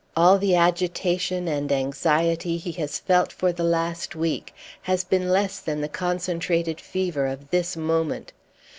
All the agitation and anxiety he has felt for the last week has been less than the concentrated fever of this moment.